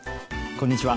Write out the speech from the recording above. こんにちは。